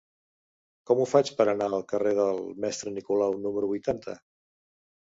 Com ho faig per anar al carrer del Mestre Nicolau número vuitanta?